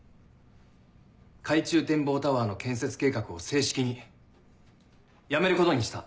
海中展望タワーの建設計画を正式にやめることにした。